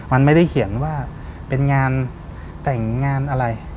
มันไม่ได้เขียนว่าเป็นงานแต่งงานอะไร